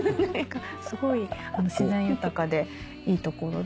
すごい自然豊かでいい所で。